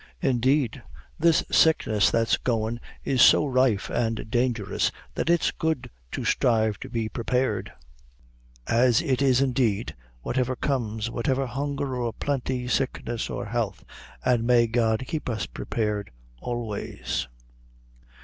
Indeed, this sickness that's goin' is so rife and dangerous that it's good to sthrive to be prepared, as it is indeed, whatever comes, whether hunger or plenty, sickness or health; an' may God keep us prepared always!"